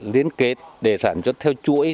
liên kết để sản xuất theo chuỗi